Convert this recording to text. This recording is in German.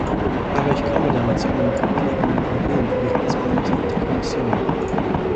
Aber ich komme damit zu einem grundlegenden Problem für die Rechtspolitik der Kommission.